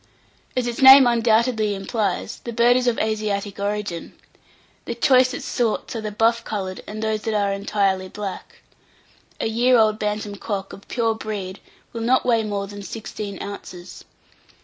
As its name undoubtedly implies, the bird is of Asiatic origin. The choicest sorts are the buff coloured, and those that are entirely black. A year old Bantam cock of pure breed will not weigh more than sixteen ounces.